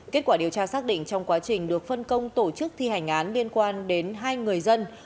kết quả điều tra xác định trong quá trình được phân công tổ chức thi hành án liên quan đến hai người dân